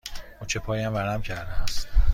مچ پایم ورم کرده است.